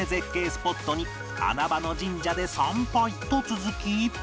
スポットに穴場の神社で参拝と続き